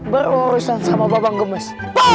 berurusan sama babang gemes